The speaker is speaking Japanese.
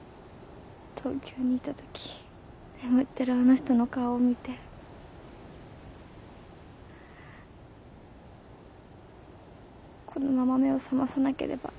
東京にいたとき眠ってるあの人の顔を見てこのまま目を覚まさなければって。